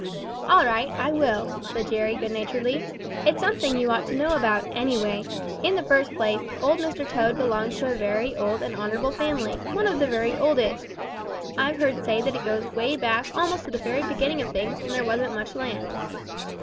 "All right, I will," replied Jerry good naturedly. "It's something you ought to know about, anyway. In the first place, Old Mr. Toad belongs to a very old and honorable family, one of the very oldest. I've heard say that it goes way back almost to the very beginning of things when there wasn't much land.